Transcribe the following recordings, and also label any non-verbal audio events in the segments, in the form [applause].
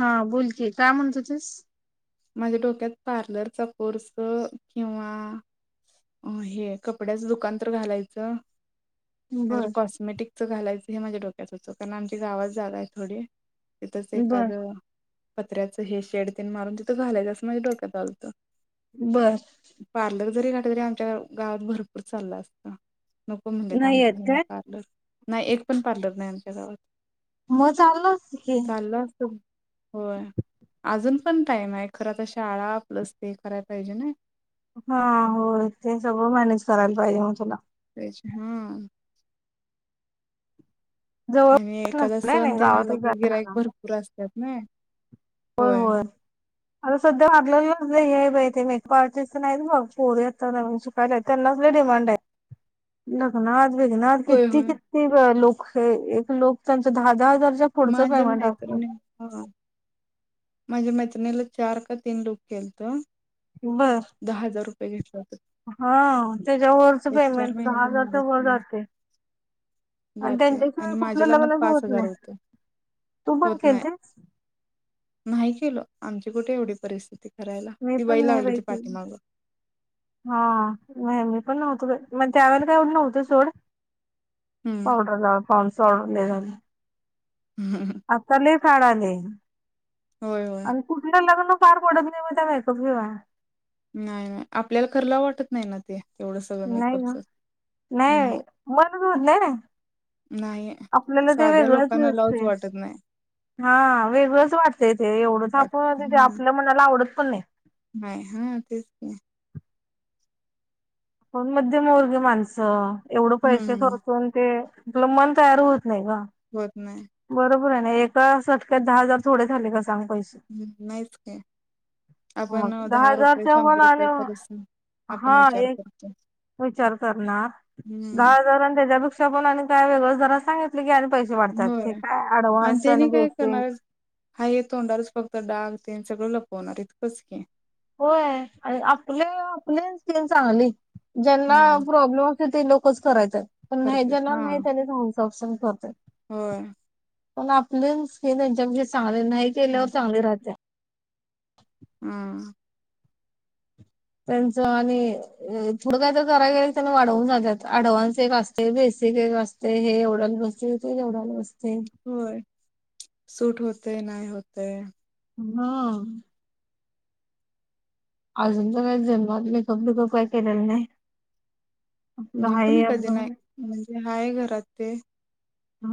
हा बोलकी काय म्हणत ह्वतूस माझ्या डोक्यात पार्लरचा कोर्स किंवा हे कपड्याचं दुकान तर घालायचं नाही तर बर. कॉस्मेटिकच घालायचं हे माझ्या डोक्यात होतं पण आमची गावत जागा आहे थोडी तेथच बर एखादं पत्र्याच हे शेडतेन मारून घालायचं असं माझ्या डोक्यात आलतं बर पार्लर जरी काट तरी आमच्या गावात भरपूर चालला असत नको म्हणले नाही येत. आमचे मेनी पार्लर नाही एक पण पार्लर नाही आमच्या गावात मग चाललं असतं की चाललं असतं होय अजून पण टाइम आहे खर तर शाळा प्लस ते करायला पाहिजे ना हा होय ते सगळं मॅनेज करायला पाहिजे मग तुला हा जवळ आणि एखादा नाही सण नाही तेन आला गावातच की जायला गिऱ्हाईक लागणार भरपूर असत त म होय. आता सध्या पार्लर ला लय हाय बाई मेकअप आर्टिस्ट हाइत बग पोरी आता नवीनशिकल्यात त्यांनाच लई डिमांड आहे. लग्नात होय किती होय. किती लोक. हे एक लोक त्यांचा दहा दहाहजार. माझ्या मैत्रिणींना. माझ्या मैत्रिणीला चार का तीन लुक केलतो. बर होतं. हा त्याच्या वरच एक चार पेमेंट दहा महिन्याच्या हजारच्या वर मागच जाते आणि जाते आणि त्यांच्याशिवाय माझ्या कुठलं लग्नात लग्नच पाच होत हजार नाही तू पण होत केल नाही. ते. नाही केलं आमची कुठे एवढी परिस्थिती. करायला. मी ती पण नाही लागली बाई ती पाठीमाग. केलोहा म मी. पण नव्हतो मग त्यावर काय एवढं नव्हतं सोड. हम्म पावडर लाव. पार्सल. आता लिप. खाडा नाही. होय होय. आणि कुठ गेलं ग? पार पडत नाही मग त्या मेकअप शिवाय नाही नाही आपल्याला करला वाटत नाही ना ते एवढं सगळं नाही मेकअपच. ग हम्म नाही हम्म मनच होत नाही नाइ. नाही. आपल्याला ते साध्या वेगळंच लोकांना लावूच दिसतय वाटत नाही. हा वेगळंच वाटतय ते एवढंच वाट आपण हा आपल्या मनाला आवडत पन नाही नाही हा तेच की आपण मध्यमवर्गीय माणसं. एवढं पैसे हम्म खर्चून ते आपलं मन तयार होत नाही ना. होय. नाही. एका सटक्यात दहा हजार थोडे झालेस. सांग पैसे हम्म, नाहीच काय हा आपण अ, दहा रुपये हजारच्या वर शंभर आले रुपये खरच आपण हा विचार एक करतो विचार करणार हम्म दहा हजार आणि त्याच्या पेक्षा. पण आणि काय वेगळं जरा काय सांगितलं की पैसे वाढत्यात. होय आणि त्यानी काय करणार हाय हे तोंडावरच फक्त डाग तेन सगळं लपवणार इतकंच की होय आणि आपल्या आपल्या स्किन चांगली जेंना हम्म प्रॉब्लेम ते लोकच करायच. पण नाही करते ज्याना हा नाही त्यानी [unintelligible] करतंय. होय पण आपल स्किन ह्यांच्या चांगल नाही केल्यावर चांगली राहतिया. हम्म त्यांचं आणि थोडं काय तर कराय गेल की त्यांना वाढवून सांगत्यात. ऍडव्हान्स एक असतय बेसिक एक असतय हे एवढ्याला बसतय ते तेवढ्याला बसतय. होय. सूट होतय नाही होतय. हां. अजून तर काय जन्मात मेकअप बीकअप काय केलेलं नाही. आपलं मी पण हाय कधी नाही आपलं म्हणजे हाय घरात ते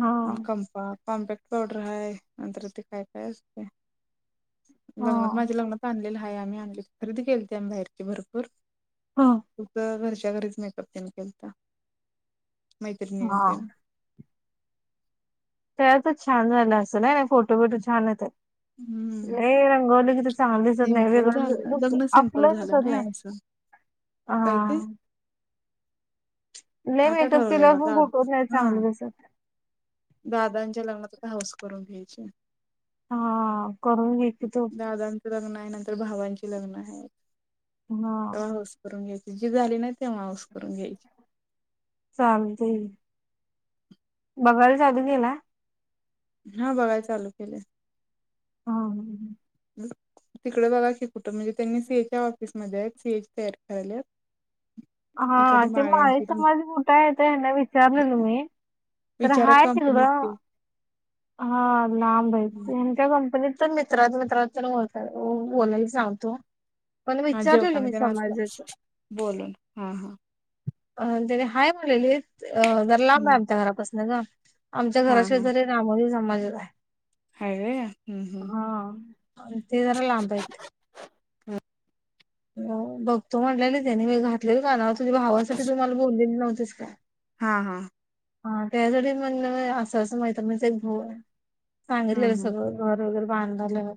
हा कंपा कॉम्पॅक्ट पावडर हाय नंतर ते काय काय असतय. लग्नात हा माज्या लग्नात आणलेलं. हाय आम्ही आणली खरेदी केलती आम्ही बाहेर भरपूर. ह [unintelligible] आमच्या घरीच मेकअप तेन केलता. मैत्रीणींन तेन. हा त्यातच छान झालं अस नाय फोटो बिटो छान येतात. हम्म नही रंगवलं कि ते चांगल दिसत नाही सिम्पल वेगळंस झालं दिसत लग्न सिम्पल आपलं झालं दिसत नाही. आमचं हा. काय ते नाही आता मेकअप ठरवलंय केल्यावर पण बघा फोटो दादा नाही हा चांगलं दिसत. दादांच्या लग्नात आता हौस करून घ्यायचे. हा करून घे की तू. नाय नंतर भावांची लग्न आहे. हा आऊस करून घ्याय ती झाली नाही. तेंव्हा हाऊस करून घ्यायचे. बघायल चालू केला. हा बघाय चालू केले. हां. तिकडं बघा की कुठ म्हणजे त्यांनी सीएच ऑफिसमध्ये आहेत सीएच तयार करायल्यात. एखादी हां ते माळी माळ्यांची समाज मोठा येत हेना विचारलं तुम्ही तर विचारा हाय [unintelligible] कंपनीत तिकडं. ते हां लांब आहे. हयांचा कंपनीत तर मित्रात मित्रात त्याला बोलता बोलाय सांगतो. पण हा विचारलेलं जेवताना मी त्यांना असला समाजाच बोलून हा हा. अ त्याने हाय म्हणायलेत. अ जर लांब आहे हम्म. आमच्या घरापासन ग आमच्या हा घराशी हा शेजारी होय समज आहे हाय व्हय हम्म हम्म हा अ ते जरा लांब आहेतेत हम हो बघतो म्हटलेली त्यानी म घातलेली कानावर त भावासाठी तुम्हाला बोलले्हती तेच काय हा हा हा त्यासाठी म्हण असं असं माहित मैत्रिणीचा एक भाऊ आहे हम्म सांगितलेलं हम्म सगळं घर वगैरे बांधाआल्यात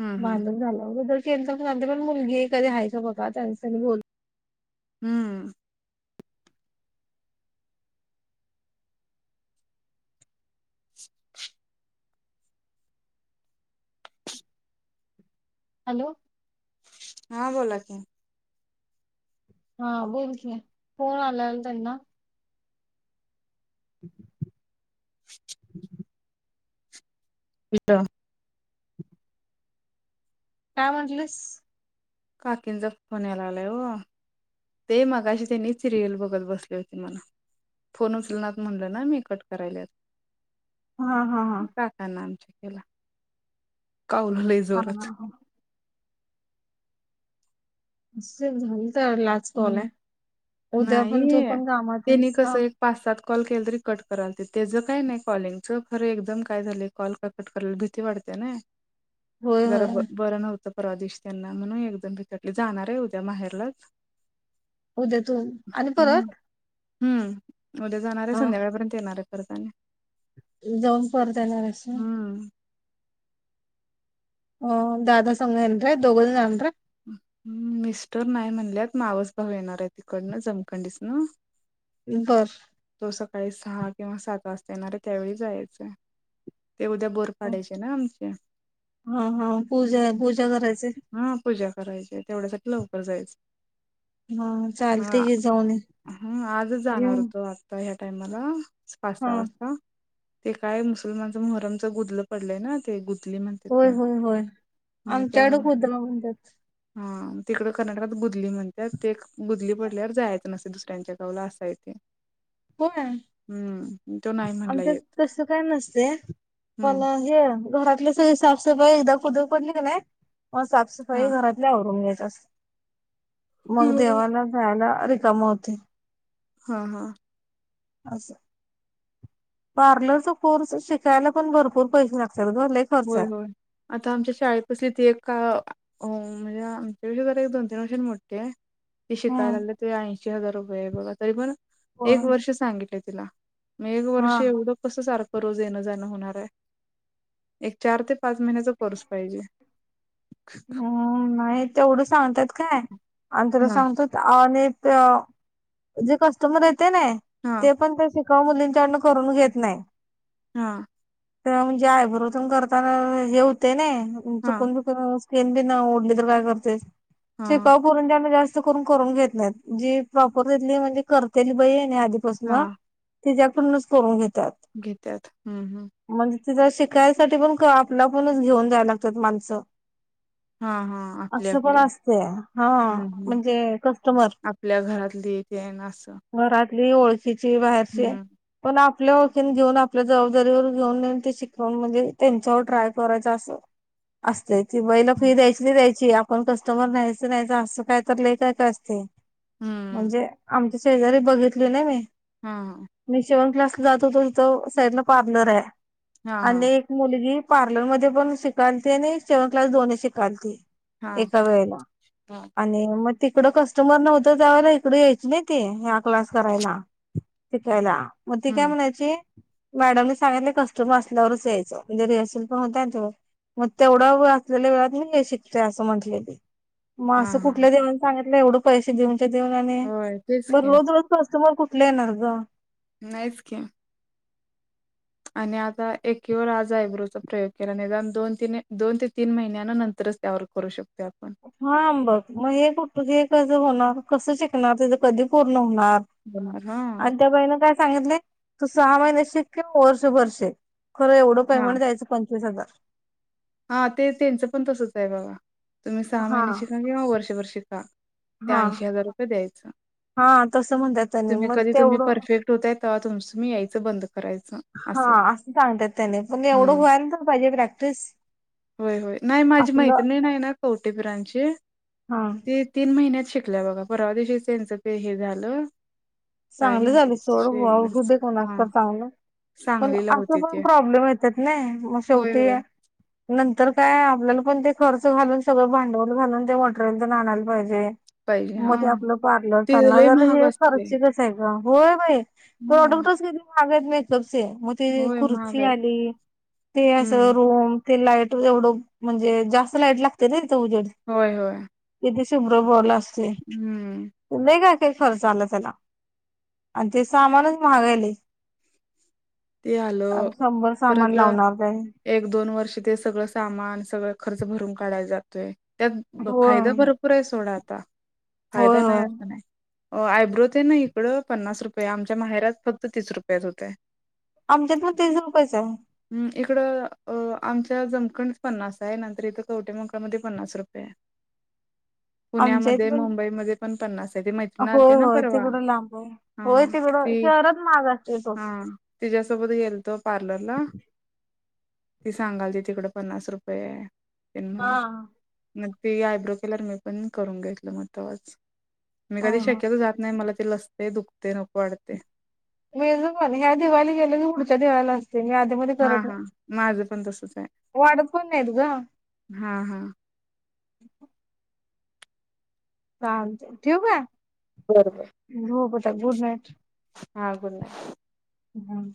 हम्म हम्म बांधून झाल्यावर ते पण मुलगी कधी वयं बघा त्यां बोल हम्म [unintelligible] हॅलो हा बोला की हा बोलते फन आलाल त्यांना ह [unintelligible] पता काॅमंजलस काकीनचा फोन यायला आलाय हो ते मगाशी त्यांनी सिरियल बघत बसले होते मला फोन उचल ना म्हणलं ना मेकट करायला हा हा हा. काका नामचे खला का उललय हा जोरात हा हा झा तरलाच कॉल हम्म आहे उद्या नाही पण तू पण काामात त्यांनी ह कसं एक पाच सात कॉल केलं तरी कट करायल ते त्याचं काय नाही कॉलिंगच खरं एकदम काय झालं कॉल कट करायला भीती वाटते ना होय जरा ब होय बरं नव्हत परवादेश त्यांना म्हणून एकजण भिकटले जाणार आहे उद्या बाहेरलाच होद्या तून आणि हम्म. परत हम्म उद्या जाणार आहे हा. संध्याकाळपर्यंत येणार आहे करताना जाऊन परता येणार अस हम्म. अ दादा संघयन दोघल जान ह् मिस्टर नाही म्हणल्यात मावस भाऊ येणार आहे तिकडनं जमखंडीस ना बर तो सकाळी सहा किंवा सात वाजता येणार आहे त्यावेळी जायचय ते उद्या बोर काडायचे ना आमचे हा हा पूजा पूजा करायचे हा पूजा करायचे तेवढ्यासाठी लवकर जायचं हा चालते हा की जाऊन ह आजच जाणार येऊन होतो आता ह्या टाइमाला हा वाता वास्ता ते काय मुसलमानचं मोहरमचं गुदलं पडलंय ना ते गु होय होय होय आमच्याड त्यामुळे खुद म्हणतात हा तिकडं कर्नाटकात बुदली म्हणतात ते बुदली पडल्यावर जायचं नसेते दुसऱ्यांच्या गावला असाय तेे हो म्हणला आमच्या येत तस काय नसते हम्म मला हे घरातली सगळी साफसफाई एकदा खुद पडली का नाही मग हा साफसफाई घरातल्यावरून घय तस मग देवाला जायला सारी काम होते हा हा अस पार्लरचा कोर्स शिकायला पण भरपूर पैसे लागत होय होय आता आमच्या शाळेपसली त एक का हो म्हणजे आमच्याविषयी तर एक दोन तीन वर्षां मोठे ते हम्म शिकायला लाग ते आई पाश हजार रुपय आहे बघ तरी प ना एक होय वर्ष सांगितले तिला मघ हा वर्ष एवढं कस सारख पररोज येणं जाणं होणार आहे एक चार ते पाच महिन्याचा पर्स पाहिजे हम् नाही तेवढं सांगतात काय आणि तुला हा सांगतो ते जे कस्टमर आहे नाही हा ते पण ते का मुलींच्याडन करून घेत नाही हा ते म्हणजे आयबरोबरून करताना हे होते न हा चुकुन बिकून तन बी ना ओढली तर काय करते हा शिकाऊ पोरींच्या कडन जास्त घ प्रसला तच्याकडूनच करून घेत घेतात. घेत्यात हम्म हम्म तिचा शिकायसाठी पण आपला पणच घेऊन द्यायला लागतात माणसं हा हा आपले असं पण आपले असते हा हम् हम् म्हणजे कस्टमर आपल्या घरातली इथे असं र हो असची बाहेरसे हम्म पण आपल्या ओळखीन घेऊन आपल्या जबाबदारीवर घेऊन नेन ते शिकवून म्हणजे त्यांच्यावर ट्राय करायच असं असत ति बई ल फि हम्म जाय ते आपणं कस्टमर न्यायचं न्यायचं, असं काय तर लैई काय काय असतंय. हम्म. म्हणजे आम शेजारी बघितलय ना मी. हा मीं शिवण क्लास जात होतो इथं, साईडला पार्लर हाया हा आणि हा एक मुलगी पार्लर मध्ये पण शिकायलते नी शिवण क्लास दोन शिकालती. हा एका वेळेला हा आणि म तिकडं कस्टमर नव्हतं जायाला, इकडं यायची नाई ती या क्लास करायला. शिकायला. म ती काय हम्म म्हणायची, मॅडमनी सांगितले कस्टमर असल्यावरच यायचं म्हणजे रिहर्सल पण हुत्या, ते मग तेवढं होय असलेल्या वेळात मी नी हे शिकते असं म्हटलेली. मग हा असं हा कुठल्या देवानं सांगित नाही एवढं पैसे देऊन ते देऊन आणि होय तेच बर की रोज, रोज कस्टमर कुठ कुठले येणार ग? नाहीच की. आणि आता एकीवर आज आयब्रोचा प्रयोग केला. निदान दोन तीन दोन ते तीन महिन्यान नंतरच त्यावर करू शकतोय आपणं. हा बघ, मग हे कुठ हे कसं होणार? कसं शिकणार? तुझं कधी पूर्ण हु बाप होणार हा आणि त्या बाईण काय सांगितलंय. तू सहा महिने शिक किंवा वर्षभर शिक. खरं एवढं हा पेमेंट द्यायचं पंचवीस हजार. हा ते तेंच पण तसच हाय बघा. तुम्ही सहा हा महिने शिका किंवा वर्षभर शिका, ते हा ऐंशी हजार रुपये द्यायच. हा तसं म्हणतात त्यांनी तुम्ही मग कधी तुम्ही तेवढं परफेक्ट होत्यात तेव्हा तुमच तुम्ही यायचं बंद हा असं सांगत्यात त्यनी, पण एवढं हुयाला तर पाहीजे प्रॅक्टिस. व्हयं व्हयं, नाही माझी आपलं मैत्रीण हाय नां कवटे ब्रांचची, हा ती तीन महिन्यात शिकलाय बघा, परवा दीशीच त्यांचं ते हे झालं काय चांगली म्हणतात झाली सोड व्हावं, शेवटच हुदे कुणाचं हा पण चांगल पण सांगलीला असं होती पण ती. प्रॉब्लेम येतात ना मग होय शेवटी होय. नंतर काय आपल्याला पण ते खर्च घालून सगळं भांडवल घालून ते मटेरियल तर आणायला पाहिजे. पाहिजे हा मग ते आपलं पार्लर ते चालणार, लय जरा महाग ये खर. असते तेव्हा होय बै. हा प्रोडक्टच किती कागत नाहीत. मग ते होय महाग खुर्ची आहेत. आली ते असं हम्म रोम ते लाईट एवढं म्हणजे जास्त लाईट लागते ना. जोड होय होय कद तुभ्र बोल अस तु नाही हम्म नाही का किती खर्च झाला त्याला आणि ते सामानच मगायले. ते आलं सामान परत लावणार त्याने एक दोन वर्ष थे सगळं सामान सगळ खर्च भरून काढयला जातोय. त्यात फायदा होय भरपूर आहे सोडत आता होय फायदा नाही होय असं नाही. आयब्रो ते ना इकडं पन्नास रुपये आमच्या माहेर्यात फक्त तीस रुपयात होत. आमच्यातून तीस रुपैसे आहे. इकड आमच्या जमखण पन्नास आहे. नंतर इथं कवटे मकळामध्ये पन्नास रुपये आहे. आमच्या इथ पुण्यामध्ये पण मुंबईमध्ये पण पन्नास आहे ती मैत्रीण आलती होय ना होय परवा तिकडं लांब आहे. हा होय तिकड ती शहरात माहागा सोड. सोबत गेलतो पार्लरला ती सांगाल त तिकड पन्नास रुपये है. त्यांना हा म त आयब्रो केल्यार मी पण करून घेतलं मग तेव्हाच. मी कधी हा शक्यतो जात नाही, मला ते लसते दुखते. ते नक वाढते. मेज पण ह्या दिवाळीली गेले की पुढच्या दिवाला ते मी आधी म हा करत नाही, हा माझं पण तसच आहे वाढत पण नाहीेत ग. हा हा चाल ठेवू का? बरोबर. झोप गुड नाईट! हा. Good night! हम्म.